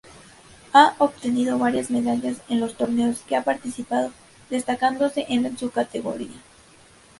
Ha obtenido varias medallas en los torneos que ha participado destacándose en su categoría.